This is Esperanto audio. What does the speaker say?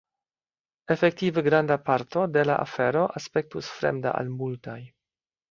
Efektive granda parto de la afero aspektus fremda al multaj.